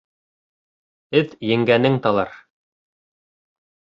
Эт еңгәнең талар.